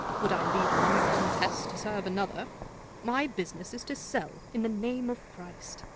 Would I leave one countess to serve another? My business is to sell in the name of Christ.